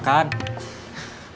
bukannya udah ada yang nangis